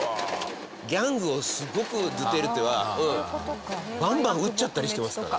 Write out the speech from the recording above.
ギャングをすごくドゥテルテはバンバン撃っちゃったりしてますから。